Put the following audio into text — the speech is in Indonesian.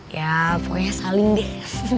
ya pokoknya saling deh